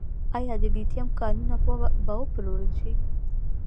آیا د لیتیم کانونه به وپلورل شي؟